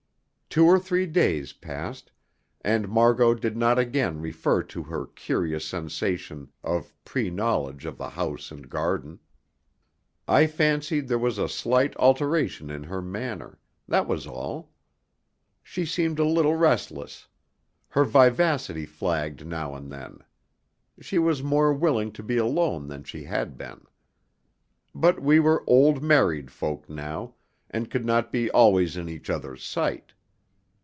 Two or three days passed, and Mar got did not again refer to her curious sensation of pre knowledge of the house and garden. I fancied there was a slight alteration in her manner; that was all. She seemed a little restless. Her vivacity flagged now and then. She was more willing to be alone than she had been. But we were old married folk now, and could not be always in each other's sight.